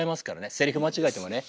セリフ間違えてもね